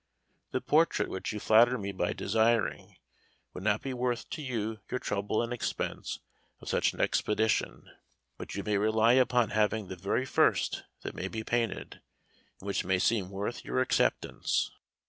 The portrait which you flatter me by desiring, would not be worth to you your trouble and expense of such an expedition, but you may rely upon having the very first that may be painted, and which may seem worth your acceptance.